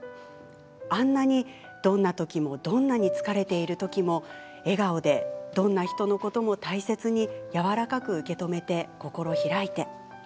あんなに、どんな時もどんなに疲れているときも笑顔でどんな人のことも大切にやわらかく受け止めて、心開いて。